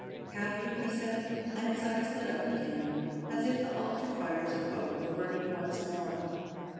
"Have you?" he said, and his eyes lit up again as if the altar fires of hope were burning once more.